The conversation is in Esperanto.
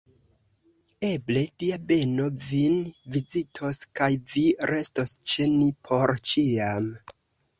Eble, Dia beno vin vizitos, kaj vi restos ĉe ni por ĉiam!